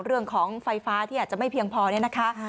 เรื่องของไฟฟ้าที่อาจจะไม่เพียงพอเนี่ยนะคะ